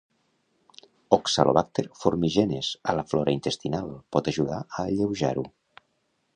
"Oxalobacter formigenes"a la flora intestinal pot ajudar a alleujar-ho.